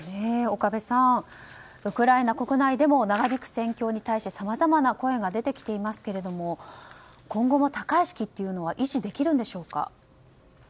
岡部さん、ウクライナ国内でも長引く戦況に対してさまざまな声が出てきていますが今後も高い士気は維持できるんでしょうか。